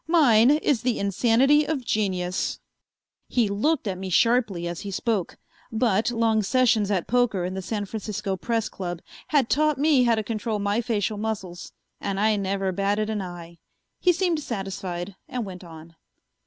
Mine is the insanity of genius." He looked at me sharply as he spoke, but long sessions at poker in the San Francisco Press Club had taught me how to control my facial muscles, and I never batted an eye. He seemed satisfied, and went on.